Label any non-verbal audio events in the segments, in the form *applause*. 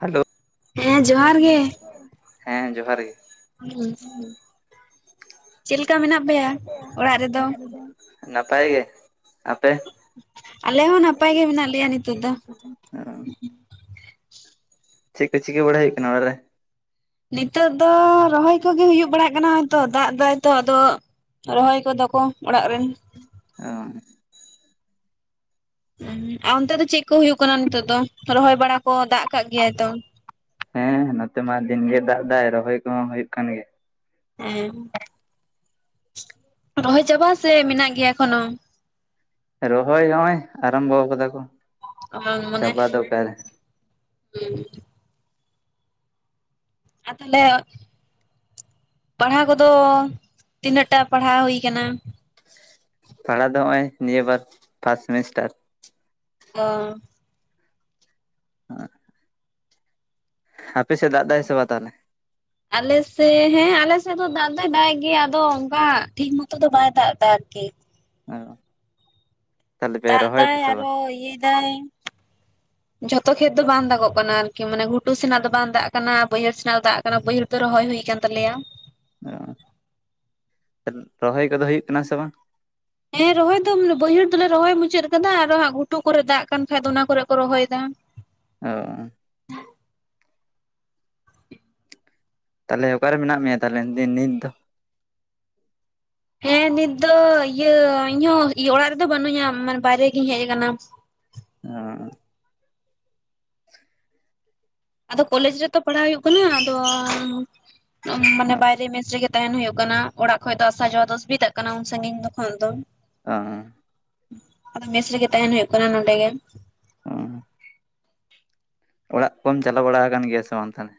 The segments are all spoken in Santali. ᱦᱟᱞᱳ᱾ ᱦᱮᱸ ᱡᱚᱦᱟᱨ ᱜᱮ, ᱦᱮᱸ ᱡᱚᱦᱟᱨ‌ ᱜᱮ ᱾ *unintelligible* ᱪᱮᱜ ᱞᱮᱠᱟ ᱢᱮᱱᱟᱜ ᱯᱮᱭᱟ ᱚᱲᱟᱜ ᱨᱮᱫᱚ? *inaudible* ᱱᱟᱯᱟᱭ ᱜᱮ, ᱟᱯᱮ? ᱟᱞᱮ ᱦᱚᱸ ᱱᱟᱯᱟᱭ ᱜᱮ ᱢᱮᱱᱟᱜ ᱞᱮᱭᱟ ᱱᱤᱛᱚᱜ ᱫᱚ᱾ ᱪᱮᱜ ᱠᱚ ᱪᱤᱠᱟᱹ ᱵᱟᱲᱟᱭ ᱦᱩᱭᱩᱜ ᱠᱟᱱᱟ ᱚᱲᱟᱜ ᱨᱮ? ᱱᱤᱛᱚᱜ ᱫᱚ ᱨᱚᱦᱚᱭ ᱠᱚᱜᱮ ᱦᱩᱭᱩᱜ ᱵᱟᱲᱟᱜ ᱠᱟᱱᱟ ᱦᱚᱭᱛᱚᱫ ᱫᱟᱜ ᱫᱟᱭ ᱛᱚ ᱟᱫᱚ ᱨᱚᱦᱚᱭ ᱠᱚ ᱫᱚ ᱠᱚ ᱚᱲᱟᱜ ᱨᱮᱱ᱾ ᱚᱸ᱾ ᱩᱸᱻ ᱟᱨ ᱚᱱᱛᱮ ᱫᱚ ᱪᱮᱜ ᱠᱩ ᱦᱩᱭᱩᱜ ᱠᱟᱱᱟ ᱱᱤᱛᱚᱜ ᱫᱚ? ᱨᱚᱦᱚᱭ ᱵᱟᱲᱟ ᱠᱚ ᱫᱟᱜ ᱠᱟᱜ ᱜᱮᱭᱟᱭ ᱛᱚ? ᱦᱮᱸ ᱱᱚᱛᱮ ᱢᱟ ᱫᱤᱱᱜᱮ ᱫᱟᱜ ᱮᱫᱟᱭ ᱨᱚᱦᱚᱭ ᱠᱚᱦᱚᱸ ᱦᱩᱭᱩᱜ ᱠᱟᱱ ᱜᱮᱭᱟ᱾ ᱮᱸᱢ ᱨᱚᱦᱚᱭ ᱪᱟᱵᱟ ᱥᱮ ᱢᱤᱱᱟᱜ ᱜᱮᱭᱟ ᱮᱠᱷᱚᱱᱚ? ᱨᱚᱦᱚᱭ ᱦᱚᱜ-ᱚᱭ ᱟᱨᱟᱢᱵᱚᱣ ᱠᱟᱫᱟ ᱠᱚ᱾ ᱟᱢᱟᱝ ᱢᱟᱱᱮ ᱪᱟᱵᱟ ᱫᱚ ᱚᱠᱟᱨᱮ ᱦᱩᱸ᱾ ᱟᱨ ᱛᱟᱦᱚᱞᱮ ᱯᱟᱲᱦᱟᱣ ᱠᱚᱫᱚ ᱛᱤᱱᱟᱹᱜ ᱴᱟ ᱯᱟᱲᱦᱟᱣ ᱦᱩᱭ ᱠᱟᱱᱟ? ᱯᱟᱲᱟᱦᱟᱣ ᱫᱚ ᱦᱚᱸᱜᱼᱚᱭ ᱱᱤᱭᱟᱹ ᱵᱟᱨ ᱯᱷᱟᱥᱴ ᱥᱮᱢᱤᱥᱴᱟᱨ᱾ ᱚ᱾ *unintelligible* ᱦᱟᱯᱮ ᱥᱮᱫ ᱫᱟᱜ ᱫᱟᱭ ᱥᱮ ᱵᱟᱝ ᱛᱟᱦᱚᱞᱮ? ᱟᱞᱮᱥᱮ ᱦᱮᱸ ᱟᱞᱮ ᱥᱮᱫ ᱫᱚ ᱫᱟᱜ ᱫᱚᱭ ᱫᱟᱜ-ᱮᱜ ᱜᱮᱭᱟ ᱟᱫᱚ ᱚᱱᱠᱟ ᱴᱷᱤᱠ ᱢᱚᱛᱚ ᱫᱚ ᱵᱟᱭ ᱫᱟᱜ ᱮᱫᱟ ᱟᱨᱠᱤ᱾ ᱚ᱾ ᱛᱟᱦᱚᱞᱮ ᱯᱮ ᱫᱟᱜ ᱨᱚᱦᱚᱭ ᱫᱟ ᱫᱟᱭ ᱥᱮ ᱵᱟᱝ ᱟᱨᱚ ᱤᱭᱟᱹᱭ ᱫᱟᱭ᱾ ᱡᱷᱚᱛᱚ ᱠᱷᱮᱛ ᱫᱚ ᱵᱟᱝ ᱫᱟᱜᱚᱜ ᱠᱟᱱᱟ ᱟᱨᱠᱤ ᱢᱟᱱᱮ ᱜᱷᱩᱴᱩ ᱥᱮᱱᱟᱜ ᱫᱚ ᱵᱟᱝ ᱫᱟᱜ ᱠᱟᱱᱟ᱾ ᱵᱟᱹᱭᱦᱟᱹᱲ ᱥᱮᱱᱟᱜ ᱫᱚ ᱫᱟᱜ ᱠᱟᱱᱟ᱾ ᱵᱟᱹᱭᱦᱟᱹᱲ ᱫᱚ ᱨᱚᱦᱚᱭ ᱦᱩᱭ ᱟᱠᱟᱱ ᱛᱟᱞᱮᱭᱟ᱾ ᱚ᱾ ᱨᱚᱦᱚᱭ ᱠᱚ ᱫᱚ ᱦᱩᱭᱩᱜ ᱠᱟᱱᱟ ᱥᱮ ᱵᱟᱝ? ᱦᱮᱸ ᱨᱚᱦᱚᱭ ᱫᱚ ᱢᱟᱱᱮ ᱵᱟᱹᱭᱦᱟᱹᱲ ᱫᱚᱞᱮ ᱨᱚᱦᱚᱭ ᱢᱩᱪᱟᱹᱫ ᱟᱠᱟᱫᱟ ᱟᱨᱚ ᱦᱟᱸᱜ ᱜᱷᱩᱴᱩ ᱠᱚᱨᱮ ᱫᱟᱜ ᱠᱟᱱ ᱠᱷᱟᱡ ᱫᱚ ᱚᱱᱟ ᱠᱚᱨᱮ ᱠᱚ ᱨᱚᱦᱚᱭᱮᱫᱟ᱾ ᱟᱸᱚᱻ ᱛᱟᱦᱚᱞᱮ ᱚᱠᱟ ᱨᱮ ᱢᱮᱱᱟᱜ ᱢᱮᱭᱟ ᱛᱟᱦᱚᱞᱮ ᱫᱤᱱ ᱱᱤᱛ ᱫᱚ? ᱦᱮᱸ ᱱᱤᱛ ᱫᱚ ᱤᱭᱟᱹ ᱤᱧᱦᱚᱸ ᱚᱲᱟᱜ ᱨᱮ ᱫᱚ ᱵᱟᱹᱱᱩᱧᱟ ᱢᱟᱱᱮ ᱵᱟᱭᱨᱮ ᱜᱤᱧ ᱦᱮᱡ ᱟᱠᱟᱱᱟ᱾ ᱟᱸᱚᱻ *inaudible* ᱟᱫᱚ ᱠᱚᱞᱮᱡ ᱨᱮ ᱛᱚ ᱯᱟᱲᱦᱟᱜ ᱦᱩᱭᱩᱜ ᱠᱟᱱᱟ ᱟᱫᱚ ᱢᱟᱱᱮ ᱵᱟᱭᱨᱮ ᱢᱤᱥᱨᱤᱜᱮ ᱛᱟᱦᱮᱱ ᱦᱳᱭᱳᱜ ᱠᱟᱱᱟ ᱚᱲᱟᱜ ᱠᱷᱚᱡ ᱫᱚ ᱟᱥᱟ ᱡᱟᱣᱟ ᱫᱚ ᱚᱥᱩᱵᱤᱫᱟᱜ ᱠᱟᱱᱟ ᱩᱱ ᱥᱟᱹᱜᱤᱧ ᱡᱚᱠᱷᱚᱱ ᱫᱚ᱾ ᱚ ᱦᱚᱸ᱾ ᱟᱫᱚ ᱢᱮᱥ ᱨᱮ ᱜᱮ ᱛᱟᱦᱮᱱ ᱦᱩᱭᱩᱜ ᱠᱟᱱᱟ ᱱᱚᱸᱰᱮᱜᱮ᱾ ᱚ ᱚᱲᱟᱜ ᱠᱚᱢ ᱪᱟᱞᱟᱣ ᱵᱟᱲᱟ ᱟᱠᱟᱱ ᱜᱮᱭᱟ ᱥᱮ ᱵᱟᱝ ᱛᱟᱦᱚᱞᱮ?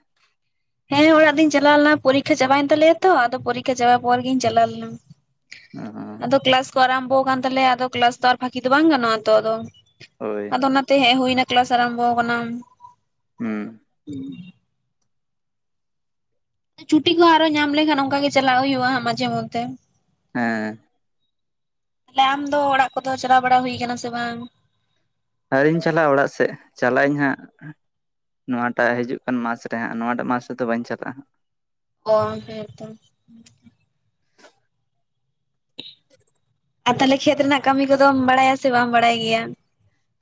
ᱦᱮᱸ ᱚᱲᱟᱜ ᱫᱚᱧ ᱪᱟᱞᱟᱣ ᱞᱮᱱᱟ ᱯᱚᱨᱤᱠᱷᱟ ᱪᱟᱵᱟᱭᱮᱱ ᱛᱟᱞᱮᱭᱟ ᱛᱚ ᱟᱫᱚ ᱯᱚᱨᱤᱠᱠᱷᱟ ᱪᱟᱵᱟ ᱯᱚᱨ ᱜᱤᱧ ᱪᱟᱞᱟᱣ ᱞᱮᱱᱟ᱾ ᱟᱫᱚ ᱠᱮᱞᱟᱥ ᱠᱚ ᱟᱨᱟᱢᱵᱽᱚ ᱠᱟᱱ ᱛᱟᱞᱮᱭᱟ ᱟᱫᱚ ᱠᱞᱟᱥ ᱫᱚ ᱯᱷᱟᱠᱤ ᱫᱚ ᱵᱟᱝ ᱜᱟᱱᱚᱜᱼᱟ ᱛᱚ ᱟᱫᱚ᱾ ᱦᱳᱭ, ᱟᱫᱚ ᱚᱱᱟᱛᱮ ᱦᱮᱡ ᱦᱩᱭᱱᱟ ᱠᱞᱟᱥ ᱟᱨᱟᱢᱵᱷᱚ ᱠᱟᱱᱟ᱾ ᱦᱩᱸ ᱪᱷᱩᱴᱤ ᱠᱩ ᱟᱨᱚ ᱧᱟᱢ ᱞᱮᱠᱷᱟᱱ ᱚᱱᱠᱟ ᱜᱮ ᱟᱨᱦᱚᱸ ᱪᱟᱞᱟᱣ ᱦᱩᱭᱩᱜᱼᱟ ᱢᱟᱡᱷᱮ ᱢᱚᱸᱫᱽᱷᱮ ᱦᱮᱸ, ᱛᱟᱦᱞᱮ ᱟᱢ ᱫᱚ ᱚᱲᱟᱜ ᱠᱚ ᱫᱚ ᱪᱟᱞᱟᱣ ᱵᱟᱲᱟ ᱦᱩᱭᱩ ᱥᱮ ᱵᱟᱝ? ᱟᱨᱤᱧ ᱪᱟᱞᱟᱜᱼᱟ ᱚᱲᱟᱜ ᱥᱮᱫ ᱪᱟᱞᱟᱜ ᱟᱹᱧ ᱦᱟᱸᱜ, ᱱᱚᱣᱟᱴᱟᱜ ᱦᱤᱡᱩᱜ ᱠᱟᱱ ᱢᱟᱥ ᱨᱮ ᱦᱟᱸᱜ ᱱᱚᱣᱟᱴᱟᱜ ᱢᱟᱥ ᱨᱮᱫᱚ ᱵᱟᱹᱧ ᱪᱟᱞᱟᱜᱼᱟ ᱦᱟᱸᱜ᱾ ᱚᱸᱻᱦᱮᱸᱻᱛᱚᱸ ᱟᱨ ᱛᱟᱦᱞᱮ ᱠᱷᱮᱛ ᱨᱮᱱᱟᱜ ᱠᱟᱹᱢᱤ ᱠᱚᱫᱚᱢ ᱵᱟᱲᱟᱭᱟ ᱥᱮ ᱵᱟᱢ ᱵᱟᱲᱟᱭ ᱜᱮᱭᱟ?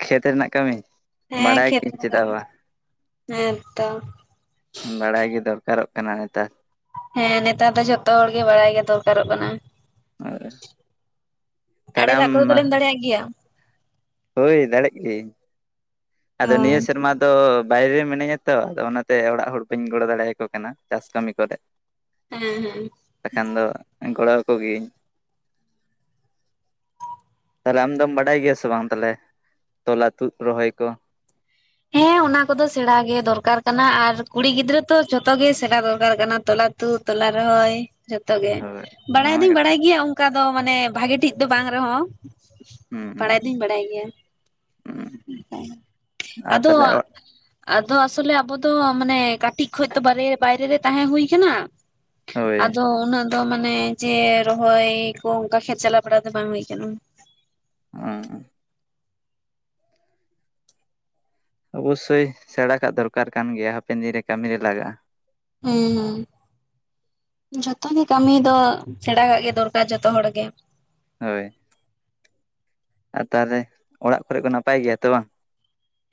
ᱠᱷᱮᱛ ᱨᱮᱱᱟᱜ ᱠᱟᱹᱢᱤ ᱦᱮᱸ ᱵᱟᱲᱟᱭ ᱠᱷᱮᱛ ᱜᱤᱭᱟᱹᱧ ᱨᱮᱱᱟᱜ ᱪᱮᱫᱟᱜ ᱠᱟᱢᱤ ᱦᱮᱸᱛᱚ ᱵᱟᱲᱟᱭ ᱜᱮ ᱫᱚᱨᱠᱟᱨᱚᱜ ᱠᱟᱱᱟ ᱱᱮᱛᱟᱨ ᱾ ᱦᱮᱸ ᱱᱮᱛᱟᱨ ᱫᱚ ᱡᱷᱚᱛᱚ ᱦᱚᱲᱜᱮ ᱵᱟᱲᱟᱭ ᱜᱮ ᱫᱚᱨᱠᱟᱨᱚᱜ ᱠᱟᱱᱟ᱾ ᱫᱟᱲᱮᱭᱟᱜ ᱟᱲᱮ ᱞᱟᱜ ᱟᱢ ᱠᱚ ᱫᱚ ᱛᱟᱜᱞᱮᱢ ᱫᱟᱲᱮᱭᱟᱜ ᱜᱮᱭᱟ? ᱦᱳᱭ ᱫᱟᱲᱤᱜ ᱜᱤ ᱟᱫᱚ ᱱᱤᱭᱟᱹ ᱦᱮᱸ ᱥᱮᱨᱢᱟ ᱫᱚ ᱵᱟᱭᱨᱮ ᱢᱤᱱᱟᱹᱧᱟ ᱛᱚ ᱟᱫᱚ ᱚᱱᱟᱛᱮ ᱚᱲᱟᱜ ᱦᱚᱲ ᱠᱚᱧ ᱜᱚᱲᱚ ᱫᱟᱲᱮᱭᱟᱠᱚ ᱠᱟᱱᱟ ᱪᱟᱥ ᱠᱟᱹᱢᱤ ᱠᱚ ᱨᱮ ᱦᱮᱸ ᱵᱟᱠᱷᱟᱱ ᱫᱚ ᱜᱚᱲᱚᱣᱟᱹᱠᱚ ᱜᱤᱭᱟᱹᱧ᱾ ᱛᱟᱦᱚᱞᱮ ᱟᱢ ᱫᱚᱢ ᱵᱟᱰᱟᱭ ᱜᱮᱭᱟ ᱥᱮ ᱵᱟᱝ ᱛᱟᱦᱚᱞᱮ ᱛᱚᱞᱟᱼᱛᱩᱫ ᱨᱚᱦᱚᱭ ᱠᱚ, ᱦᱮᱸ ᱚᱱᱟ ᱠᱚᱫᱚ ᱥᱮᱬᱟ ᱜᱮ ᱫᱚᱨᱠᱟᱨ ᱠᱟᱱᱟ ᱟᱨ ᱠᱩᱲᱤ ᱜᱤᱫᱽᱨᱟᱹ ᱛᱚ ᱡᱷᱚᱛᱚ ᱜᱮ ᱥᱮᱬᱟ ᱫᱚᱨᱠᱟᱨ ᱠᱟᱱᱟ ᱛᱚᱞᱟ ᱛᱩᱫ ᱛᱚᱞᱟ ᱨᱚᱦᱚᱭ᱾ ᱡᱷᱚᱛᱚ ᱜᱮ ᱦᱳᱭ ᱵᱟᱲᱟᱭ ᱱᱚᱣᱟ ᱫᱩᱧ ᱠᱟᱛᱷᱟ ᱵᱟᱲᱟᱭ ᱜᱮ ᱜᱮᱭᱟ ᱚᱱᱠᱟ ᱫᱚ ᱢᱟᱱᱮ ᱵᱷᱟᱜᱤ ᱴᱷᱤᱠ ᱫᱚ ᱵᱟᱝ ᱨᱮ ᱦᱚᱸ᱾ ᱦᱩᱸ ᱦᱩᱸ ᱵᱟᱲᱟᱭ ᱫᱩᱧ ᱵᱟᱲᱟᱭ ᱜᱮᱭᱟ᱾ ᱦᱩᱸ ᱟᱨ ᱟᱫᱚ, ᱛᱟᱦᱚᱞᱮ ᱟᱫᱚ ᱟᱥᱚᱞᱮ ᱟᱵᱚ ᱫᱚ ᱢᱟᱱᱮ ᱠᱟᱴᱤᱡ ᱠᱷᱚᱪ ᱛᱚ ᱵᱟᱭᱨ ᱼᱵᱟᱭᱨᱮ ᱛᱟᱦᱮᱸ ᱦᱩᱭ ᱠᱟᱱᱟ᱾ ᱦᱳᱭ ᱟᱫᱚ ᱩᱱᱟᱹᱜ ᱛᱚ ᱢᱟᱱᱮ ᱡᱮ ᱨᱚᱦᱚᱭ ᱠᱩ ᱚᱱᱠᱟ ᱠᱷᱮᱛ ᱪᱟᱞᱟᱣ ᱵᱟᱲᱟ ᱫᱚ ᱵᱟᱝ ᱦᱩᱭ ᱟᱠᱟᱱᱟ᱾ ᱟᱸᱻ ᱚᱵᱩᱥᱥᱳᱭ ᱥᱮᱬᱟ ᱠᱟᱜ ᱫᱚᱨᱠᱟᱨ ᱠᱟᱱ ᱜᱮᱭᱟ ᱦᱟᱯᱮᱱ ᱫᱤᱱ ᱨᱮ ᱠᱟᱹᱢᱤ ᱨᱮ ᱞᱟᱜᱟᱜᱼᱟ᱾ ᱦᱮᱸ ᱦᱩᱸ ᱡᱚᱛᱚ ᱜᱮ ᱠᱟᱹᱢᱤ ᱫᱚ ᱥᱮᱬᱟᱠᱟᱜ ᱜᱮ ᱫᱚᱨᱠᱟᱨ ᱡᱚᱛᱚ ᱦᱚᱲ ᱜᱮ᱾ ᱦᱳᱭ ᱟᱨ ᱛᱟᱦᱚᱞᱮ ᱚᱲᱟᱜ ᱠᱚᱨᱮ ᱠᱚ ᱱᱟᱯᱟᱭ ᱜᱮᱭᱟ ᱛᱚ ᱵᱟᱝ?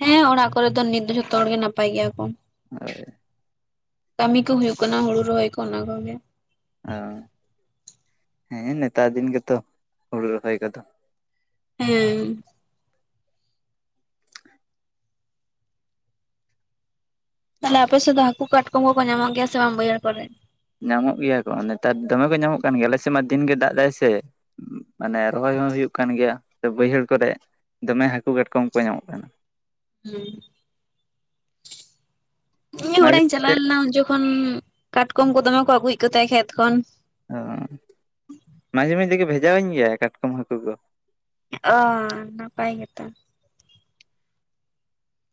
ᱦᱮᱸ ᱚᱲᱟᱜ ᱠᱚᱨᱮ ᱫᱚ ᱱᱤᱛ ᱫᱚ ᱡᱷᱚᱛᱚ ᱦᱚᱲᱜᱮ ᱱᱟᱯᱟᱭ ᱜᱮᱭᱟ ᱠᱚ᱾ *unintelligible* ᱠᱟᱹᱢᱤ ᱠᱚ ᱦᱩᱭᱩᱜ ᱠᱟᱱᱟ, ᱦᱩᱲᱩ ᱨᱚᱦᱚᱭ ᱠᱚ ᱚᱱᱟ ᱠᱚᱜᱮ ᱾ ᱚ, ᱦᱮᱸ ᱱᱮᱛᱟᱨ ᱫᱤᱱ ᱜᱮᱛᱚ ᱦᱩᱲᱩ ᱨᱚᱦᱚᱭ ᱠᱚᱫᱚ ᱾ ᱦᱮᱸ ᱾ ᱛᱟᱦᱚᱞᱮ ᱟᱯᱮ ᱥᱮᱫ ᱫᱚ ᱦᱟᱹᱠᱩ ᱠᱟᱴᱠᱚᱢ ᱠᱚ ᱠᱚ ᱧᱟᱢᱚᱜ ᱜᱮᱭᱟ ᱥᱮ ᱵᱟᱝ ᱵᱟᱹᱭᱦᱟᱹᱲ ᱠᱚᱨᱮ? ᱧᱟᱢᱚᱜ ᱜᱮᱭᱟ ᱠᱚ, ᱱᱮᱛᱟᱨ ᱫᱚᱢᱮ ᱠᱚ ᱧᱟᱢᱚᱜ ᱠᱟᱱ ᱜᱮᱭᱟ ᱟᱞᱮ ᱥᱮᱱᱢᱟ ᱫᱤᱱ ᱜᱮ ᱫᱟᱜ ᱮᱫᱟᱭ ᱥᱮ ᱾ ᱢᱟᱱᱮ ᱨᱚᱦᱚᱭ ᱦᱚᱸ ᱦᱩᱭᱩᱜ ᱠᱟᱱ ᱜᱮᱭᱟ, ᱥᱮ ᱵᱟᱹᱭᱦᱟᱹᱲ ᱠᱚᱨᱮ ᱫᱚᱢᱮ ᱦᱟᱹᱠᱩ ᱠᱟᱴᱠᱚᱢ ᱠᱚ ᱧᱟᱢᱚᱜ ᱠᱟᱱᱟ ᱾ ᱦᱮᱸ ᱾ ᱤᱧ ᱦᱚᱸ ᱢᱟᱡᱷᱮ ᱚᱲᱟᱜ ᱤᱧ ᱪᱟᱞᱟᱣ ᱢᱚᱫᱽᱫᱷᱮ ᱞᱮᱱᱟ ᱡᱚᱠᱷᱚᱱ, ᱠᱟᱴᱠᱚᱢ ᱠᱚ ᱫᱚᱢᱮ ᱠᱚ ᱟᱹᱜᱩᱭᱮᱫ ᱠᱚ ᱛᱟᱸᱦᱮᱱᱟ ᱠᱷᱮᱛ ᱠᱷᱚᱱ ᱾ ᱚ ᱢᱟᱡᱷᱮ ᱢᱚᱫᱽᱫᱷᱮ ᱜᱮ ᱵᱷᱮᱡᱟᱣᱟᱹᱧ ᱜᱮᱭᱟᱭ ᱠᱟᱴᱠᱚᱢ ᱦᱟᱹᱠᱩ ᱫᱚ ᱾ ᱚ ᱱᱟᱯᱟᱭ ᱜᱮᱛᱚ ᱾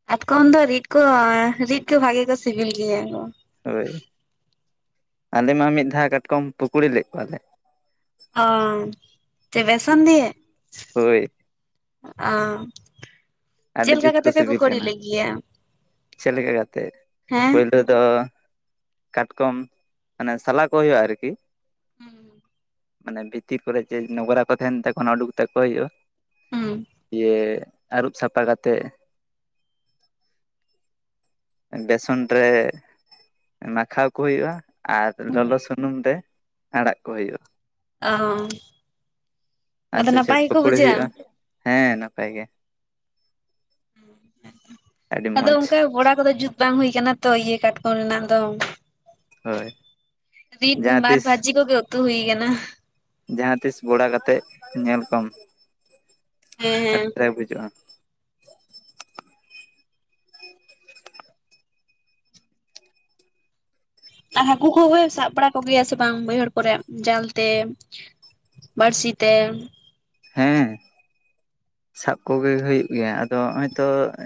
ᱠᱟᱴᱠᱚᱢ ᱫᱚ ᱨᱤᱫ ᱠᱚ ᱨᱤᱫ ᱠᱚ ᱵᱷᱟᱜᱤ ᱠᱚ ᱥᱤᱵᱤᱞ ᱜᱮᱭᱟ ᱾ ᱦᱳᱭ, ᱟᱞᱮ ᱢᱟ ᱢᱤᱫ ᱫᱷᱟᱣ ᱠᱟᱴᱠᱚᱢ ᱯᱩᱠᱲᱤ ᱞᱮᱫ ᱠᱚᱣᱟᱞᱮ ᱾ ᱚ, ᱪᱮᱫ ᱵᱮᱥᱚᱱ ᱫᱤᱭᱮ? ᱦᱳᱭ ᱾ ᱚ ᱾ ᱟᱹᱰᱤ ᱡᱩᱛ ᱠᱚ ᱥᱤᱵᱤᱞ ᱠᱟᱱᱟ, ᱪᱮᱫ ᱞᱮᱠᱟ ᱠᱟᱛᱮᱜ ᱦᱮᱸ ᱯᱳᱭᱞᱳᱼᱼ ᱫᱚ, ᱠᱟᱴᱠᱚᱢ ᱢᱟᱱᱮ ᱥᱟᱞᱟ ᱠᱚ ᱦᱩᱭᱩᱜᱼᱟ ᱟᱨᱠᱤ ᱾ ᱢᱟᱱᱮ ᱵᱷᱤᱛᱤᱨ ᱠᱚᱨᱮ ᱡᱮ ᱱᱚᱝᱨᱟ ᱠᱚ ᱛᱟᱸᱦᱮᱱ ᱛᱚᱠᱷᱚᱱ ᱩᱰᱩᱠ ᱛᱟᱠᱚ ᱦᱩᱭᱩᱜᱼᱟ ᱦᱩᱸ ᱾ ᱫᱤᱭᱮ ᱟᱹᱨᱩᱵ ᱥᱟᱯᱷᱟ ᱠᱟᱛᱮᱫᱼᱼ ᱵᱮᱥᱚᱱ ᱨᱮ ᱢᱟᱠᱷᱟᱣ ᱠᱚ ᱦᱩᱭᱩᱜᱼᱟ, ᱟᱨ ᱞᱚᱞᱚ ᱥᱩᱱ ᱥᱩᱱᱩᱢ ᱨᱮ ᱟᱲᱟᱜ ᱠᱚ ᱦᱩᱭᱩᱜᱼᱟ ᱾ ᱚ ᱟᱫᱚ ᱟᱪᱪᱷᱟ ᱟᱪᱪᱷᱟ ᱱᱟᱯᱟᱭ ᱜᱮᱠᱚ ᱯᱷᱚᱠᱚᱲᱤ ᱵᱩᱡᱷᱟᱹᱜᱼᱟ ᱦᱩᱭᱩᱜᱼᱟ, ᱦᱮᱸ ᱱᱟᱯᱟᱭ ᱜᱮ ᱾ ᱟᱹᱰᱤ ᱟᱫᱚ ᱢᱚᱸᱡᱽ ᱚᱱᱠᱟ ᱵᱚᱲᱟ ᱠᱚᱫᱚ ᱡᱩᱛ ᱵᱟᱝ ᱦᱩᱭ ᱠᱟᱱᱟ ᱛᱚ ᱤᱭᱟᱹ ᱠᱟᱴᱠᱚᱢ ᱨᱮᱱᱟᱜ ᱫᱚ ᱦᱳᱭ ᱾ ᱨᱤᱫ ᱡᱟᱦᱟᱸ ᱵᱟᱨ ᱛᱤᱥ ᱵᱷᱟᱹᱡᱤ ᱠᱚᱜᱮ ᱩᱛᱩ ᱦᱩᱭ ᱠᱟᱱᱟ ᱾ ᱡᱟᱦᱟᱸ ᱛᱤᱥ ᱵᱚᱲᱟ ᱠᱟᱛᱮ ᱧᱮᱞ ᱠᱚᱢ, ᱦᱮᱸ ᱦᱮᱸ ᱮᱴᱨᱟᱠ ᱵᱩᱡᱩᱜᱼᱟ ᱾ ᱦᱟᱹᱠᱩ ᱠᱚ ᱜᱮ ᱥᱟᱵ ᱵᱟᱲᱟ ᱠᱚᱜᱮᱭᱟᱥᱮ ᱵᱟᱝ ᱵᱟᱹᱭᱦᱟᱹᱲᱼᱼ ᱨᱮᱜ ᱡᱟᱞ ᱛᱮ, ᱵᱟᱹᱲᱥᱤ ᱛᱮ, ᱼᱼ ᱦᱮᱸ ᱾ *inaudible* ᱥᱟᱵ ᱠᱚᱜᱮ ᱦᱩᱭᱩᱜ ᱜᱮᱭᱟ, ᱟᱫᱚ ᱦᱚᱭ ᱛᱚ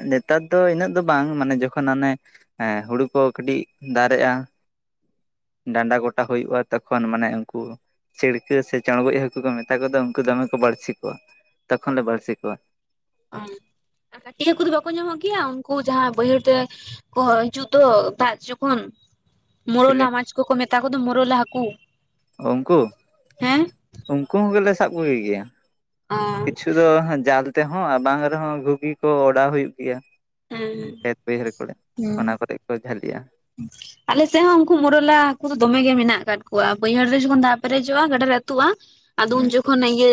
ᱱᱮᱛᱟᱨ ᱫᱚ ᱩᱱᱟᱹᱜ ᱫᱚ ᱵᱟᱝ ᱢᱟᱱᱮ ᱡᱚᱠᱷᱚᱱ ᱦᱟᱱᱮᱼᱼ ᱦᱮᱸ ᱦᱩᱲᱩ ᱠᱚ ᱠᱟᱹᱴᱤᱡ ᱫᱟᱨᱮᱜᱼᱟ ᱾ ᱰᱟᱸᱰᱟ ᱜᱚᱴᱟ ᱠᱚ ᱦᱩᱭᱩᱜᱼᱟ ᱛᱚᱠᱷᱚᱱ ᱢᱟᱱᱮ ᱩᱱᱠᱩᱼᱼ ᱪᱤᱲᱠᱟᱹ ᱥᱮ ᱪᱚᱬᱜᱚᱡ ᱦᱟᱹᱠᱩ ᱠᱚ ᱢᱮᱛᱟ ᱠᱚ ᱫᱚ, ᱩᱱᱠᱩ ᱫᱚᱢᱮ ᱠᱚ ᱵᱟᱹᱲᱥᱤ ᱠᱚᱣᱟ, ᱛᱚᱠᱷᱚᱱ ᱞᱮ ᱵᱟᱹᱲᱥᱤ ᱠᱚᱣᱟ ᱾ ᱚ ᱟᱨ ᱠᱟᱹᱴᱤᱡ ᱦᱟᱹᱠᱩ ᱫᱚ ᱵᱟᱠᱚ ᱧᱟᱢᱚᱜ ᱜᱮᱭᱟ ᱩᱱᱠᱩ ᱡᱟᱦᱟᱸ ᱵᱟᱹᱭᱦᱟᱹᱲ ᱛᱮᱼᱼ ᱠᱚ ᱦᱤᱡᱩᱜ ᱫᱚ ᱫᱟᱜ ᱡᱚᱠᱷᱚᱱ ᱾ ᱢᱩᱨᱚᱞᱟ ᱪᱤᱞᱤ ᱢᱟᱪ ᱠᱚᱠᱚ ᱢᱮᱛᱟ ᱠᱚᱫᱚ ᱢᱩᱨᱚᱞᱟ ᱦᱟᱹᱠᱩ ᱾ ᱩᱱᱠᱩ, ᱩᱱᱠᱩ ᱦᱚᱸᱞᱮ ᱥᱟᱵ ᱠᱚᱜᱮ ᱜᱮᱭᱟ ᱚ ᱾ ᱠᱤᱪᱷᱩ ᱫᱚ ᱡᱟᱞ ᱛᱮᱦᱚᱸ ᱵᱟᱝ ᱨᱮᱦᱚᱸ ᱜᱷᱩᱜᱤ ᱠᱚ ᱚᱰᱟᱣ ᱦᱩᱭᱩᱜ ᱜᱮᱭᱟ ᱦᱮᱸ ᱦᱮᱸ ᱾ ᱠᱷᱮᱛ ᱵᱟᱹᱭᱦᱟᱹᱲ ᱠᱚᱨᱮ, ᱦᱩᱸ ᱚᱱᱟ ᱠᱚᱨᱮ ᱠᱚ ᱡᱷᱟᱹᱞᱤᱜᱼᱟ ᱾ ᱟᱞᱮ ᱥᱮᱱ ᱦᱚᱸ ᱩᱱᱠᱩ ᱢᱚᱨᱚᱞᱟ ᱦᱟᱹᱠᱩ ᱫᱚᱢᱮ ᱜᱮ ᱢᱮᱱᱟᱜ ᱟᱠᱟᱫ ᱠᱚᱣᱟ, ᱵᱟᱹᱭᱦᱟᱹᱲ ᱨᱮ ᱡᱚᱠᱷᱚᱱ ᱫᱟᱜ ᱯᱮᱨᱮᱡᱚᱜᱼᱟ ᱜᱟᱰᱟ ᱨᱮᱼᱼ ᱛᱩᱜᱼᱟ, ᱟᱫᱚ ᱩᱱ ᱦᱩᱸ ᱡᱚᱠᱷᱚᱱ ᱤᱭᱟᱹ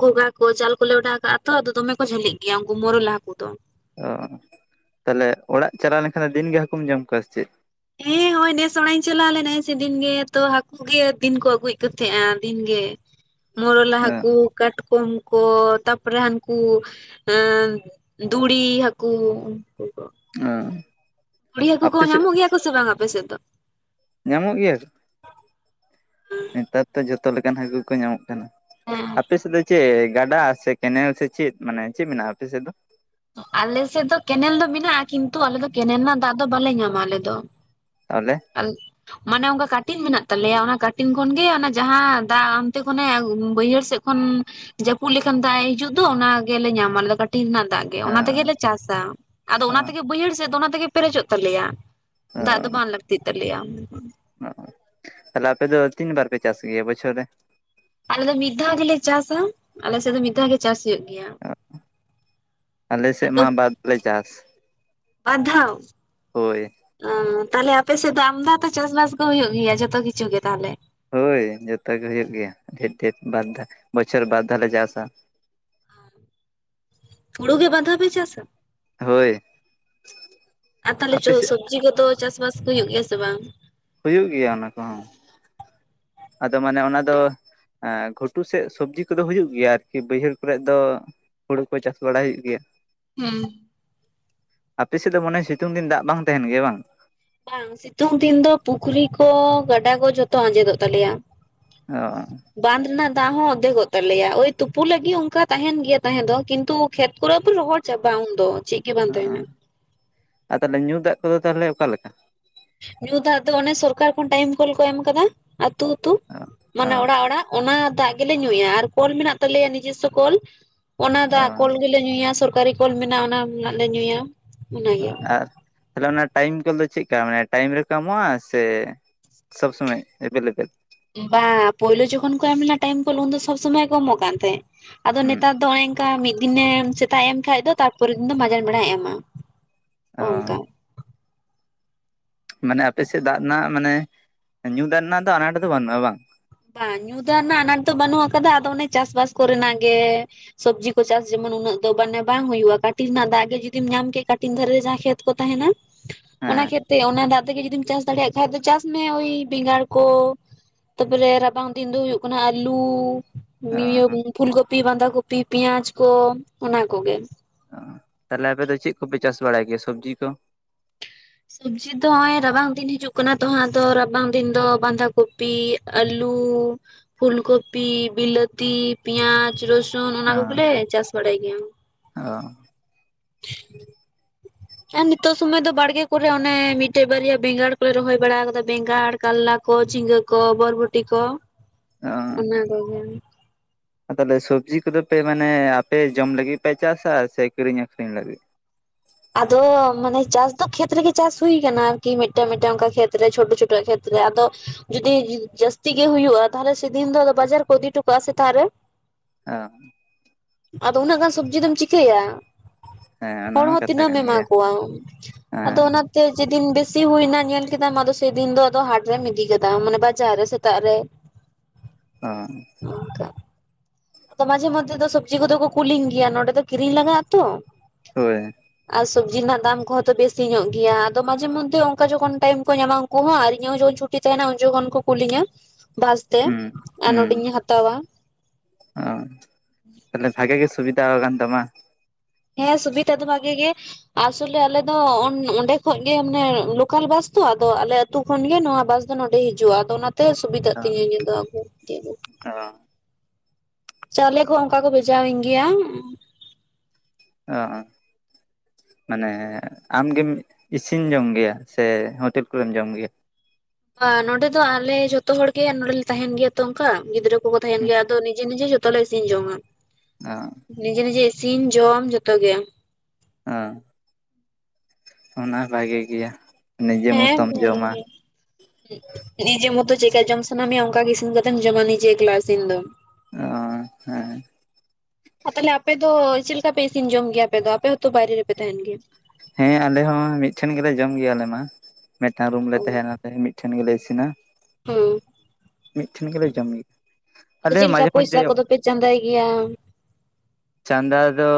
ᱜ *unintelligible* ᱚᱜ ᱛᱚ ᱡᱟᱞ ᱠᱚᱞᱮ ᱚᱰᱟᱣ ᱠᱟᱜᱼᱟ ᱛᱚ ᱟᱫᱚ ᱫᱚᱢᱮ ᱠᱚ ᱡᱷᱟᱹᱞᱤᱜ ᱜᱮᱭᱟ ᱩᱱᱠᱩ ᱢᱚᱨᱚᱞᱟ ᱦᱟᱹᱠᱩ ᱫᱚ ᱚ ᱛᱟᱦᱚᱞᱮ ᱚᱲᱟᱜ ᱪᱟᱞᱟᱣ ᱞᱮᱱᱠᱷᱟᱱ ᱫᱤᱱᱜᱮ ᱦᱟᱹᱠᱩᱢ ᱡᱚᱢ ᱠᱚᱣᱟ ᱥᱮ ᱪᱮᱫ? ᱦᱮᱸ ᱱᱚᱜᱼᱚᱭ ᱱᱮᱥ ᱦᱚᱸ ᱚᱲᱟᱜ ᱤᱧ ᱪᱟᱞᱟᱣ ᱞᱮᱱᱟᱭ ᱥᱮ ᱫᱤᱱ ᱜᱮᱛᱚ ᱦᱟᱹᱠᱩᱼᱼ *unintelligible* ᱜᱮ ᱫᱤᱱ ᱠᱚ ᱟᱹᱜᱩᱭ ᱠᱚ ᱛᱟᱦᱮᱸᱜᱼᱟ ᱫᱤᱱ ᱜᱮ, ᱢᱚᱨᱚᱞᱟ ᱦᱮᱸ ᱦᱟᱹᱠᱩ ᱾ ᱠᱟᱴᱠᱚᱢ ᱠᱚ ᱛᱟᱯᱚᱨᱮ ᱦᱟᱱᱠᱩ *inaudible* ᱫᱩᱲᱤ ᱦᱟᱹᱠᱩ ᱩᱱᱠᱩ ᱠᱚ᱾ ᱟ ᱫᱩᱲᱤ ᱦᱟᱹᱠᱩ ᱠᱚ ᱧᱟᱢᱚᱜ ᱜᱮᱭᱟ ᱥᱮ ᱵᱟᱝ ᱟᱯᱮ ᱥᱮᱫ ᱫᱚ? ᱧᱟᱢᱚᱜ ᱜᱮᱭᱟ᱾ ᱱᱮᱛᱟᱨ ᱫᱚ ᱡᱚᱛᱚ ᱞᱮᱠᱟᱱ ᱦᱟᱠᱩ ᱠᱚ ᱧᱟᱢᱚᱜ ᱠᱟᱱᱟ᱾ ᱦᱮᱸ ᱟᱯᱮ ᱥᱮᱫ ᱫᱚ ᱪᱮᱫ ᱜᱟᱰᱟ ᱥᱮ ᱠᱮᱱᱮᱞ ᱥᱮ ᱪᱮᱫ ᱢᱟᱱᱮ ᱪᱮᱫ ᱢᱮᱱᱟᱜᱼᱟ ᱟᱯᱮ ᱥᱮᱫ ᱫᱚ? ᱟᱞᱮ ᱥᱮᱫ ᱫᱚ ᱠᱮᱱᱮᱞ ᱫᱚ ᱢᱮᱱᱟᱜᱼᱟ, ᱠᱤᱱᱛᱩ ᱟᱞᱮ ᱫᱚ ᱠᱮᱱᱮᱞ ᱨᱮᱱᱟᱜ ᱫᱟᱜ ᱫᱚ ᱵᱟᱞᱮ ᱧᱟᱢᱟ ᱟᱞᱮ ᱫᱚ᱾ ᱛᱟᱦᱚᱞᱮ? *inaudible* ᱢᱟᱱᱮ ᱚᱱᱠᱟ ᱠᱟᱴᱤᱱ ᱢᱮᱱᱟᱜ ᱛᱟᱞᱮᱭᱟ ᱚᱱᱟ ᱠᱟᱴᱤᱱ ᱠᱷᱚᱱ ᱜᱮ ᱚᱱᱟ ᱡᱟᱸᱦᱟᱸ ᱫᱟᱜ ᱚᱱᱛᱮ ᱠᱷᱚᱱᱮ ᱵᱟᱹᱭᱦᱟᱹᱲ ᱥᱮᱫ ᱠᱷᱚᱱ ᱡᱟᱹᱯᱩᱫ ᱞᱮᱠᱷᱟᱱ ᱫᱟᱜ ᱮ ᱦᱤᱡᱩᱜ ᱫᱚ ᱚᱱᱟ ᱜᱮᱞᱮ ᱧᱟᱢᱟ ᱾ᱟᱞᱮ ᱫᱚ ᱠᱟᱹᱴᱤᱱ ᱨᱮᱱᱟᱜ ᱫᱟᱜ ᱚᱱᱟ ᱦᱮᱸ ᱛᱮᱜᱮ ᱞᱮ ᱪᱟᱥᱟ, ᱟᱫᱚ ᱚ ᱚᱱᱟ ᱛᱮᱜᱮ ᱵᱟᱹᱭᱦᱟᱹᱲ ᱥᱮᱫ ᱫᱚ ᱚᱱᱟ ᱛᱮᱜᱮ ᱯᱮᱨᱮᱡᱚᱜ ᱛᱟᱞᱮᱭᱟ᱾ ᱫᱟᱜ ᱫᱚ ᱵᱟᱝ ᱞᱟᱹᱠᱛᱤ ᱛᱟᱞᱮᱭᱟ᱾ ᱚ ᱛᱟᱦᱚᱞᱮ ᱟᱯᱮ ᱫᱚ ᱛᱤᱱ ᱵᱟᱨ ᱯᱮ ᱪᱟᱥ ᱜᱮᱭᱟ ᱵᱚᱪᱷᱚᱨ ᱨᱮ? ᱟᱞᱮ ᱫᱚ ᱢᱤᱫ ᱜᱮ ᱞᱮ ᱪᱟᱥᱟ, ᱟᱞᱮ ᱥᱮᱫ ᱫᱚ ᱢᱤᱫ ᱫᱷᱟᱣ ᱜᱮ ᱪᱟᱥ ᱦᱩᱭᱩᱜ ᱜᱮᱭᱟ᱾ ᱟᱞᱮ ᱥᱮᱫ ᱟᱫᱚ ᱢᱟ *unintelligible* ᱞᱮ ᱪᱟᱥ᱾ ᱵᱟᱨ ᱫᱷᱟᱣ? ᱦᱳᱭ *inaudible* ᱛᱟᱦᱚᱞᱮ ᱟᱯᱮ ᱥᱮᱫ ᱫᱚ ᱟᱢᱫᱟ ᱛᱚ ᱪᱟᱥ ᱵᱟᱥ ᱠᱚ ᱦᱚᱸ ᱦᱩᱭᱩᱜ ᱜᱮᱭᱟ, ᱡᱷᱚᱛᱚ ᱠᱤᱪᱷᱩ ᱜᱮ ᱛᱟᱦᱚᱞᱮ? ᱦᱳᱭ ᱡᱚᱛᱚ ᱜᱮ ᱦᱩᱭᱩᱜ ᱜᱮᱭᱟ, ᱰᱷᱮᱨ ᱰᱷᱮᱨ ᱵᱟᱨ ᱫᱷᱟᱣ ᱵᱚᱪᱷᱚᱨ ᱵᱟᱨ ᱫᱷᱟᱣ ᱞᱮ ᱪᱟᱥᱟ᱾ ᱦᱩᱲᱩ ᱜᱮ ᱵᱟᱨ ᱫᱷᱟᱣ ᱯᱮ ᱪᱟᱥᱟ, ᱦᱳᱭ ᱟᱨ ᱛᱟᱦᱚᱞᱮ ᱟᱯᱮ *inaudible* ᱥᱮᱫ ᱥᱚᱵᱽᱡᱤ ᱠᱚᱫᱚ ᱪᱟᱥ ᱵᱟᱥ ᱠᱚ ᱦᱩᱭᱩᱜ ᱜᱮᱭᱟ ᱥᱮ ᱵᱟᱝ? ᱦᱩᱭᱩᱜ ᱜᱮᱭᱟ ᱚᱱᱟ ᱠᱚᱦᱚᱸ᱾ ᱟᱫᱚ ᱢᱟᱱᱮ ᱚᱱᱟ ᱫᱚ ᱜᱷᱩᱴᱩ ᱥᱮᱫ ᱥᱚᱵᱽᱡᱤ ᱠᱚᱫᱚ ᱦᱩᱭᱩᱜ ᱜᱮᱭᱟ ᱟᱨᱠᱤ ᱵᱟᱹᱭᱦᱟᱹᱲ ᱠᱚᱨᱮᱫ ᱫᱚ ᱦᱩᱲᱩ ᱠᱚ ᱪᱟᱥ ᱵᱟᱲᱟᱭ ᱦᱩᱭᱩᱜ ᱜᱮᱭᱟ᱾ ᱦᱩᱸ ᱟᱯᱮ ᱥᱮᱫ ᱫᱚ ᱢᱚᱱᱮ ᱦᱚᱭ ᱥᱤᱛᱩᱝ ᱫᱤᱱ ᱫᱟᱜ ᱵᱟᱝ ᱛᱟᱦᱮᱸᱱ ᱜᱮᱭᱟ ᱵᱟᱝ? ᱵᱟᱝ, ᱥᱤᱛᱩᱝ ᱫᱤᱱ ᱫᱚ ᱯᱩᱠᱷᱨᱤ ᱠᱚ ᱜᱟᱰᱟ ᱠᱚ ᱡᱷᱚᱛᱚ ᱟᱸᱡᱮᱫᱚᱜ ᱛᱟᱞᱮᱭᱟ᱾ ᱚᱻ ᱵᱟᱸᱫ ᱨᱮᱱᱟᱜ ᱫᱟᱜ ᱦᱚᱸ ᱚᱫᱷᱮᱠᱚᱜ ᱛᱟᱞᱮᱭᱟ ᱳᱭ ᱛᱩᱯᱩ ᱞᱟᱹᱜᱤᱫ ᱚᱱᱠᱟ ᱛᱟᱦᱮᱸᱱ ᱜᱮᱭᱟ ᱛᱟᱦᱮᱸ ᱫᱚ ᱠᱤᱱᱛᱩ ᱠᱷᱮᱛ ᱠᱚ *inaudible* ᱨᱚᱦᱚᱲ ᱪᱟᱵᱟ ᱩᱱ ᱫᱚ ᱪᱮᱫ ᱜᱮ ᱵᱟᱝ ᱛᱟᱦᱮᱸᱱᱟ᱾ ᱟᱨ ᱛᱟᱦᱚᱞᱮ ᱧᱩ ᱫᱟᱜ ᱠᱚᱫᱚ ᱛᱟᱦᱚᱞᱮ ᱚᱠᱟ ᱞᱮᱠᱟ? ᱧᱩ ᱫᱟᱜ ᱫᱚ ᱚᱱᱮ ᱥᱚᱨᱠᱟᱨ ᱠᱷᱚᱱ ᱴᱟᱭᱤᱢ ᱠᱚᱞ ᱠᱚ ᱮᱢ ᱟᱠᱟᱫᱟ, ᱟᱹᱛᱩ ᱟᱹᱛᱩ ᱚ ᱢᱟᱱᱮ ᱚᱲᱟᱜ ᱚᱲᱟᱜ᱾ ᱚᱱᱟ ᱫᱟᱜ ᱜᱮᱞᱮ ᱧᱩᱭᱟ ᱟᱨ ᱠᱚᱞ ᱢᱮᱱᱟᱜ ᱛᱟᱞᱮᱭᱟ ᱱᱤᱡᱮᱥᱥᱚ ᱠᱚᱞ ᱚᱱᱟ ᱫᱟᱜ ᱚ ᱠᱚᱞ ᱜᱮᱞᱮ ᱧᱩᱭᱟ ᱥᱚᱨᱠᱟᱨᱤ ᱠᱚᱞ ᱢᱮᱱᱟᱜᱼᱟ ᱚᱱᱟ ᱨᱮᱱᱟᱜ ᱞᱮ ᱧᱩᱭᱟ᱾ ᱚᱱᱟᱜᱮ *inaudible* ᱛᱟᱦᱚᱞᱮ ᱚᱱᱟ ᱴᱟᱭᱤᱢ ᱠᱚᱞ ᱫᱚ ᱪᱮᱫ ᱞᱮᱠᱟ ᱢᱟᱱᱮ ᱴᱟᱭᱤᱢ ᱨᱮᱠᱚ ᱮᱢᱚᱜᱼᱟ ᱥᱮ ᱥᱚᱵ ᱥᱚᱢᱚᱭ ᱮᱵᱮᱞ ᱮᱵᱮᱞ? ᱵᱟ ᱯᱳᱭᱞᱳ ᱡᱚᱠᱷᱚᱱ ᱠᱚ ᱮᱢ ᱞᱮᱱᱟ ᱴᱟᱭᱤᱢ ᱠᱚᱞ ᱩᱱ ᱫᱚ ᱥᱚᱵᱽ ᱥᱚᱢᱚᱭ ᱠᱚ ᱮᱢᱚᱜ ᱠᱟᱱ ᱛᱟᱦᱮᱸᱫ, ᱟᱫᱚ ᱦᱩᱸ ᱱᱮᱛᱟᱨ ᱫᱚ *inaudible* ᱚᱱᱠᱟ ᱢᱤᱫ ᱫᱤᱱᱮ ᱥᱮᱛᱟᱜ ᱮ ᱮᱢ ᱠᱷᱟᱱ ᱫᱚ ᱛᱟᱨᱯᱚᱨᱮ ᱫᱤᱱ ᱫᱚ ᱢᱟᱡᱟᱱ ᱵᱮᱲᱟᱭ ᱮᱢᱟ᱾ ᱚ ᱚᱱᱠᱟ ᱢᱟᱱᱮ ᱟᱯᱮ ᱥᱮᱫ ᱫᱟᱜ ᱨᱮᱱᱟᱜ ᱢᱟᱱᱮ, ᱧᱩ ᱫᱟᱜ ᱨᱮᱱᱟᱜ ᱫᱚ ᱟᱱᱟᱴ ᱫᱚ ᱵᱟᱹᱱᱩᱜᱼᱟ ᱵᱟᱝ? *inaudible* ᱧᱩ ᱫᱟᱜ ᱨᱮᱱᱟᱜ ᱟᱱᱟᱴ ᱫᱚ ᱵᱟᱹᱱᱩᱜ ᱟᱠᱟᱫᱟ, ᱟᱫᱚ ᱚᱱᱮ ᱪᱟᱥ-ᱵᱟᱥ ᱠᱚᱨᱮᱱᱟᱜ ᱜᱮ᱾ ᱥᱚᱵᱽᱡᱤ ᱠᱚ ᱪᱟᱥ ᱡᱮᱢᱚᱱ ᱩᱱᱟᱹᱜ ᱫᱚ ᱢᱟᱱᱮ ᱵᱟᱝ ᱦᱩᱭᱩᱜᱼᱟ, ᱠᱟᱹᱴᱤᱱ ᱨᱮᱱᱟᱜ ᱫᱟᱜ ᱜᱮ ᱡᱩᱫᱤᱢ ᱧᱟᱢ ᱠᱮ ᱠᱟᱹᱴᱤᱱ ᱫᱷᱟᱨᱮ ᱡᱟᱸᱦᱟ ᱠᱷᱮᱛ ᱠᱚ ᱛᱟᱦᱮᱱᱟ᱾ ᱚᱱᱟ ᱦᱮᱸ ᱠᱷᱮᱛ ᱨᱮ *unintelligible* ᱚᱱᱟ ᱫᱟᱜ ᱛᱮᱜᱮ ᱡᱩᱫᱤᱢ ᱪᱟᱥ ᱫᱟᱲᱮᱭᱟᱜ ᱠᱷᱟᱱ ᱫᱚ ᱪᱟᱥ ᱢᱮ ᱳᱭ ᱵᱮᱸᱜᱟᱲ ᱠᱚ ᱛᱟᱯᱚᱨᱮ ᱨᱟᱵᱟᱝ ᱫᱤᱱ ᱫᱚ ᱦᱳᱭᱳᱜ ᱠᱟᱱᱟ ᱟᱹᱞᱩ ᱚ ᱤᱭᱟᱹ *unintelligible* ᱯᱷᱩᱞ ᱠᱚᱯᱤ ᱵᱟᱸᱫᱷᱟ ᱠᱚᱯᱤ *inaudible* ᱯᱮᱭᱟᱡᱽ ᱠᱚ ᱚᱱᱟ ᱠᱚᱜᱮ᱾ ᱛᱟᱦᱞᱮ ᱟᱯᱮ ᱫᱚ ᱪᱮᱫ ᱠᱚᱯᱮ ᱪᱟᱥ ᱵᱟᱲᱟᱭ ᱜᱮᱭᱟ ᱥᱚᱵᱽᱡᱤ ᱠᱚ᱾ ᱥᱚᱵᱡᱤ ᱫᱚ ᱱᱚᱜᱚᱭ ᱨᱟᱵᱟᱝ ᱫᱤᱱ ᱦᱤᱡᱩᱜ ᱠᱟᱱᱟ ᱛᱚᱫᱚ ᱨᱟᱵᱟᱝ ᱫᱤᱱ ᱫᱚ ᱵᱟᱸᱫᱷᱟ ᱠᱚᱼᱼ *inaudible* ᱟᱞᱩ ᱯᱷᱩᱞ ᱠᱚᱯᱤ ᱵᱤᱞᱟᱹᱛᱤ ᱯᱮᱸᱭᱟᱡ ᱨᱚᱥᱼᱼ *inaudible* ᱚᱱᱟ ᱠᱚ ᱵᱚᱞᱮ ᱪᱟᱥ ᱵᱟᱲᱟᱭ ᱜᱮᱭᱟ᱾ ᱚ ᱟᱨ ᱱᱤᱛᱚᱜᱜ ᱥᱚᱢᱚᱭ ᱫᱚ ᱵᱟᱲᱜᱮ ᱠᱚᱨᱮ ᱚᱱᱮ ᱢᱤᱫᱴᱮᱡ ᱵᱟᱨᱭᱟ ᱵᱮᱸᱜᱟᱲ ᱠᱚᱞᱮ ᱨᱚᱦᱚᱭ ᱵᱟᱲᱟ ᱟᱠᱟᱫᱟ ᱵᱮᱸᱜᱟᱲ ᱠᱟᱟᱨᱞᱟ᱾ ᱠᱚ ᱪᱷᱤᱝᱜᱠ ᱵᱚᱨᱵᱚᱴ ᱠᱚ ᱚᱱᱟ ᱠᱚ ᱜᱮ ᱛᱟᱦᱚᱞᱮ ᱥᱚᱵᱽᱡᱤ ᱠᱚᱫᱚ ᱯᱮ ᱢᱟᱱᱮ ᱟᱯᱮ ᱡᱚᱢ ᱞᱟᱹᱜᱤᱫ ᱯᱮ ᱪᱟᱥᱟ ᱥᱮ ᱠᱤᱨᱤᱧ ᱟᱠᱷᱨᱤᱧ ᱞᱟᱹᱜᱤᱫ᱾ ᱟᱫᱚ ᱢᱟᱱᱮ ᱪᱟᱥ ᱫᱚ ᱠᱷᱮᱛ ᱨᱮᱜᱮ ᱪᱟᱥ ᱦᱩᱭ ᱟᱠᱟᱱᱟ ᱟᱨᱠᱤ ᱢᱤᱫᱴᱟᱝ ᱢᱤᱫᱴᱟᱝ ᱚᱱᱠᱟ ᱠᱷᱮᱛᱨᱮ ᱪᱷᱴᱳ ᱪᱷᱳ ᱠᱷᱮᱛ ᱟᱫᱚ ᱡᱩᱫᱤ ᱡᱟᱹᱥᱛᱤ ᱜᱮ ᱦᱩᱭᱩᱜᱼᱟ ᱛᱟᱦᱚᱞᱮ ᱥᱮᱫᱤᱱ ᱫᱚ ᱵᱟᱡᱟᱨ ᱠᱚ ᱤᱫᱤᱴᱚ ᱠᱟᱜᱼᱟ ᱥᱮᱛᱟᱜ ᱨᱮᱼᱼ *unintelligible* *inaudible* ᱟᱫᱚ ᱩᱱᱟᱹᱜ ᱜᱟᱱ ᱥᱚᱵᱡᱤ ᱫᱚᱢ ᱪᱤᱠᱟᱹᱭᱟ᱾ ᱦᱮᱸ ᱚᱱᱟ ᱢᱟ ᱠᱟᱛᱷᱟ ᱫᱱᱟᱹᱢ ᱠᱟᱱ ᱮᱢᱟ ᱜᱮᱭᱟ ᱠᱚᱣᱟ ᱟᱫᱚ ᱦᱮᱸ ᱚᱱᱟ᱾ ᱡᱮᱫᱤᱱ ᱵᱮᱥᱤ ᱦᱩᱭᱱᱟ ᱧᱮᱞ ᱠᱮᱫᱟᱢ ᱟᱫᱚ ᱥᱮᱫᱤᱱ ᱫᱚ ᱟ ᱦᱟᱴ ᱨᱮᱢ ᱤᱫᱤ ᱠᱮᱫᱟᱢ ᱢᱟᱱᱮ ᱵᱟᱡᱟᱨ ᱨᱮ ᱥᱮᱛᱟᱜ ᱨᱮᱼᱼᱼ ᱦᱚᱭ ᱟᱫᱚ ᱢᱟᱡᱷᱮ ᱢᱚᱫᱽᱫᱷᱮ ᱫᱚ ᱥᱚᱵᱡ ᱠᱚᱫᱚ ᱠᱚ ᱠᱩᱞᱤᱝ ᱜᱮᱭᱟ ᱱᱚᱸᱰᱮ ᱫᱚ ᱠᱤᱨᱤᱧ ᱞᱟᱜᱟᱜ ᱟᱛᱚ ᱦᱳᱭ ᱟᱨ ᱥᱚᱵᱽᱡᱤ ᱨᱮᱱᱟᱜ ᱫᱟᱢ ᱠᱚᱦᱚᱸ ᱛᱚ ᱵᱮᱥᱤ ᱧᱚᱜ ᱜᱮᱭᱟ ᱟᱫᱚ ᱢᱟᱡᱷᱮ ᱢᱚᱫᱽᱷᱮ ᱚᱱᱠᱟ ᱡᱚᱠᱷᱚᱱ ᱴᱟᱭᱤᱢ ᱠᱚ ᱧᱟᱢ ᱩᱱᱠᱩ ᱦᱚᱸ ᱟᱨ ᱤᱧ ᱦᱚᱸ ᱡᱚᱠᱷᱚᱱ ᱪᱷᱩᱴᱤ ᱛᱟᱦᱮᱱᱟ ᱩᱱ ᱡᱚᱠᱷᱚᱱ ᱠᱚ ᱠᱩᱞᱤᱧᱟ᱾ ᱵᱟᱥᱛᱮ ᱦᱩᱸ ᱟᱨ ᱦᱩᱸ ᱱᱚᱰᱮᱧ ᱦᱟᱛᱟᱣᱟ᱾ ᱚ ᱛᱟᱦᱚᱞᱮ ᱵᱷᱟᱜᱮ ᱜᱮ ᱥᱩᱵᱤᱫᱟ ᱟᱠᱟᱱ ᱛᱟᱢᱟ᱾ ᱦᱮᱸ ᱥᱩᱵᱤᱛ ᱟ ᱫᱚ ᱵᱷᱟᱜ ᱜᱮ ᱟᱥᱚᱞᱮ ᱟᱞᱮ ᱫᱚ ᱚᱸᱰᱮ ᱠᱷᱚᱱᱚᱡ ᱜᱮ ᱢᱟᱱᱮ ᱞᱳᱠᱟᱞ ᱵᱟᱥ ᱛᱚ ᱟ ᱟᱞᱮ ᱟᱛᱩᱳ ᱠᱷᱚᱱ ᱜᱮ ᱱᱚᱣᱟ ᱵᱟᱥ ᱫᱚ ᱱᱚᱰᱮ ᱦᱤᱡᱩᱜᱼᱟ ᱟᱫᱚ ᱚᱱᱟᱛᱮ ᱥᱩᱵᱤᱫᱷᱟᱜ ᱚ ᱛᱤᱧᱟᱹᱫᱚ ᱚ ᱪᱟᱣᱞᱮ ᱠᱚᱦᱚᱸ ᱚᱱᱠᱟ ᱠᱚ ᱵᱷᱮᱡᱟᱣᱤᱧ ᱜᱮᱭᱟ᱾ ᱳ ᱳ ᱢᱟᱱᱮ ᱟᱢᱜᱮᱢ ᱤᱥᱤᱱ ᱡᱚᱝ ᱜᱮᱭᱟ ᱥᱮ ᱦᱳᱴᱮᱞ ᱠᱚᱨᱮᱢ ᱡᱚᱢ ᱜᱮᱭᱟ᱾ ᱱᱚᱸᱰᱮ ᱫᱚ ᱟᱞᱮ ᱡᱷᱚᱛᱚ ᱦᱚᱲ ᱜᱮ ᱱᱚᱰᱮᱮᱞ ᱞᱮ ᱛᱟᱦᱮᱱ ᱜᱮᱭᱟ ᱛᱚ ᱚᱱᱠᱟ ᱜᱤᱫᱽᱨᱟᱹ ᱠᱚᱠᱚ ᱛᱟᱦᱮᱱ ᱜᱮᱭᱟ ᱟᱫᱚ ᱱᱤᱡᱮ ᱱᱤᱡᱮ ᱡᱚᱛᱚ ᱡᱷᱚᱛᱚ ᱞᱮ ᱤᱥᱤᱱ ᱡᱚᱝᱟ᱾ ᱟᱹ ᱱᱤᱡᱮ ᱱᱤᱡᱮ ᱤᱥᱤᱱ ᱡᱚᱢ ᱡᱚᱛᱚ ᱜᱮ ᱦᱮᱸ ᱚᱱᱟ ᱵᱷᱟᱜᱤ ᱜᱮᱭᱟ ᱱᱤᱡᱮ ᱢᱚᱸᱡᱽ ᱦᱮᱸ ᱛᱚᱢ ᱡᱚᱢᱟ᱾ ᱵᱷᱟᱜᱮ ᱱᱤᱡᱮ ᱢᱚᱛᱚ ᱪᱤᱠᱠᱟ ᱡᱚᱢ ᱥᱟᱱᱟ ᱢᱮᱭᱟ ᱚᱱᱠᱟ ᱜᱮ ᱤᱥᱤᱱ ᱠᱟᱛᱮᱢ ᱡᱚᱢᱟ ᱱᱤᱡᱮ ᱮᱠᱞᱟᱥᱤᱱ ᱫᱚ ᱚ ᱦᱮᱸ ᱛᱟᱦᱚᱞᱮ ᱟᱯᱮ ᱫᱚ ᱪᱮᱫ ᱞᱮᱠᱟ ᱯᱮ ᱤᱥᱤᱱ ᱡᱚᱢ ᱜᱮᱭᱟ ᱟᱯᱮ ᱫᱚ ᱟᱯᱮ ᱦᱚᱸᱚᱛᱚ ᱵᱟᱭᱨᱮ ᱨᱮᱯᱮ ᱛᱟᱦᱮᱱ ᱜᱮᱭᱟ᱾ ᱦᱮᱸ ᱟᱞᱮ ᱦᱚᱸ ᱢᱤᱫᱴᱷᱮᱱ ᱜᱮᱞᱮ ᱡᱚᱢ ᱜᱮᱭᱟ ᱟᱞᱮ ᱢᱟ ᱢᱤᱫᱴᱟᱝ ᱨᱩᱢ ᱞᱮ ᱛᱟᱦᱮᱸᱱᱟᱞᱮ ᱢᱤᱫᱴᱷᱮᱱ ᱜᱮᱞᱮ ᱤᱥᱤᱱᱟ᱾ ᱦᱩᱸ ᱢᱤᱫ ᱴᱷᱮᱱ ᱜᱮᱞᱮ ᱡᱚᱢᱟ᱾ ᱟᱫᱚ ᱪᱮᱫ ᱞᱮᱠᱟ ᱯᱚᱭᱥᱟ ᱠᱚᱫᱚ ᱯᱮ ᱪᱟᱸᱫᱟᱭ ᱜᱮᱭᱟ᱾ ᱪᱟᱸᱫᱟ ᱫᱚ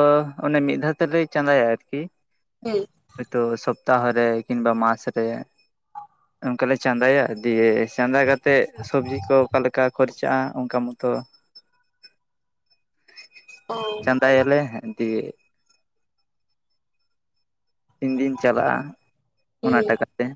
ᱚᱱᱮ ᱢᱤᱫ ᱫᱷᱟᱣ ᱛᱮᱞᱭ ᱪᱟᱸᱫᱟᱭᱟ ᱟᱨᱠᱤ ᱦᱮᱸ ᱦᱚᱳᱭᱛᱚ ᱥᱚᱯᱛᱟᱦᱚ ᱨᱮ ᱠᱤᱢᱵᱟ ᱢᱟᱥ ᱨᱮ ᱚᱱᱠᱟ ᱞᱮᱮ ᱪᱟᱸᱫᱟᱭᱟ ᱫᱤᱭᱮ ᱪᱟᱸᱫᱟ ᱠᱟᱛᱮᱜ ᱥᱚᱵᱽᱡᱤ ᱠᱚ ᱚᱠᱟᱞᱮᱠᱟ ᱠᱷᱚᱨᱪᱟᱜᱼᱟ ᱚᱱᱠᱟ ᱢᱚᱛᱚ ᱚ ᱪᱟᱸᱫᱟᱭᱟᱞᱮ *unintelligible* ᱛᱤᱱ ᱫᱤᱱ ᱪᱟᱞᱟᱜᱼᱟ ᱦᱮᱸ ᱚᱱᱟ ᱦᱮᱸ ᱴᱟᱠᱟᱛᱮ